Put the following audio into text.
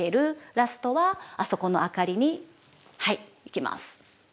ラストはあそこの明かりに行きます。